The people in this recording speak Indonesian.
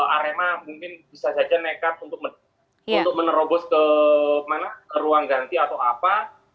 arema mungkin bisa saja nekat untuk menerobos ke ruang ganti atau apa